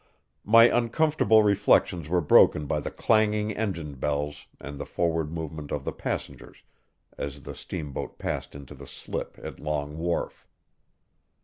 My uncomfortable reflections were broken by the clanging engine bells and the forward movement of the passengers as the steamboat passed into the slip at Long Wharf.